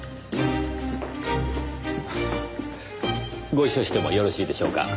ご一緒してもよろしいでしょうか？